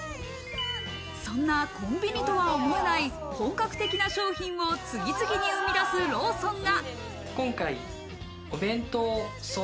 そんなコンビニとは思えない本格的な商品を次々に生み出すローソンが。